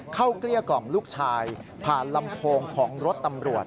เกลี้ยกล่อมลูกชายผ่านลำโพงของรถตำรวจ